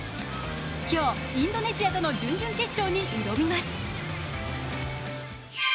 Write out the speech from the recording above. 今日、インドネシアとの準々決勝に挑みます。